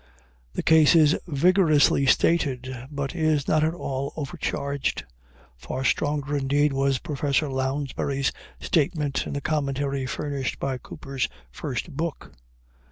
The case is vigorously stated, but is not at all over charged. Far stronger, indeed, than Professor Lounsbury's statement is the commentary furnished by Cooper's first book.